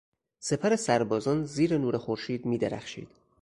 سپر سربازان زیر نور خورشید میدرخشید.